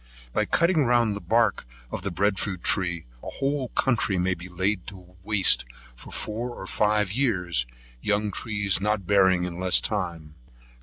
By cutting round the bark of the Bread fruit tree, a whole country may be laid waste for four or five years, young trees not bearing in less time.